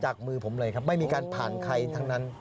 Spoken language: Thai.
มือผมเลยครับไม่มีการผ่านใครทั้งนั้น